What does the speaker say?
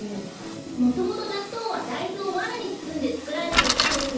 もともとなっとうはだいずをわらにつつんでつくられていたんですよ。